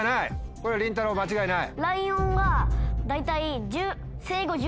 これはりんたろう間違いない？